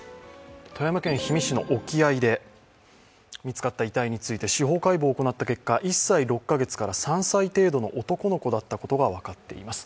富山県氷見市の沖合で見つかった遺体について司法解剖を行った結果、１歳６か月から６歳程度の男の子だったことが分かっています。